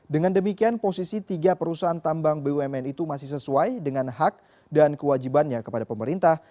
dengan demikian posisi tiga perusahaan tambang bumn itu masih sesuai dengan hak dan kewajibannya kepada pemerintah